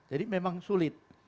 jadi memang sulit